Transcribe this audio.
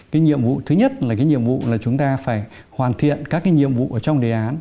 cái nhiệm vụ thứ nhất là cái nhiệm vụ là chúng ta phải hoàn thiện các cái nhiệm vụ ở trong đề án